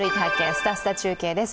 すたすた中継」です。